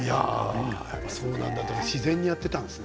自然にやっていたんですね。